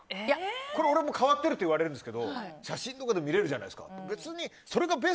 俺も変わってるって言われるんですけど写真とかでも見られるじゃないですか。